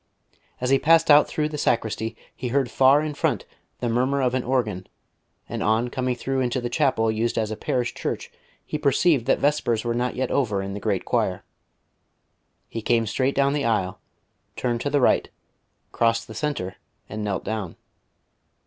As he passed out through the sacristy he heard far in front the murmur of an organ, and on coming through into the chapel used as a parish church he perceived that Vespers were not yet over in the great choir. He came straight down the aisle, turned to the right, crossed the centre and knelt down.